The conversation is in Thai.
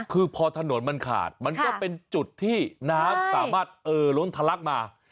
คือพอถนนมันขาดมันก็เป็นจุดที่น้ำสามารถล้นทะลักมา